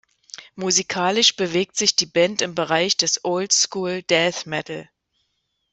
Musikalisch bewegt sich die Band im Bereich des "Old School Death Metal".